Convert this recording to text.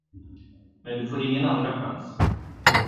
Men du får ingen andra chans.